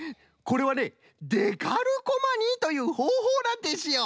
これはねデカルコマニーというほうほうなんですよ。